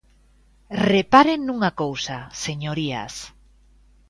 Reparen nunha cousa, señorías.